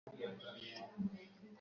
Umugabo kurwego ureba kamera